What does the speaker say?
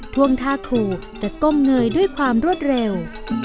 ท่วงท่าขู่จะก้มเงยด้วยความรวดเร็ว